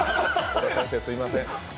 先生すみません。